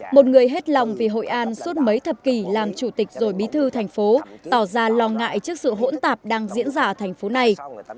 một người hết lòng vì hội an suốt mấy thập kỷ làm chủ tịch rồi bí thư thành phố tỏ ra lo ngại trước sự hỗn tạp đang diễn ra ở thành phố này